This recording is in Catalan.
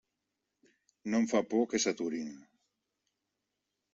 No em fa por que s'aturin.